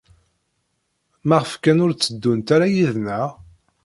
Maɣef kan ur tteddunt ara yid-neɣ?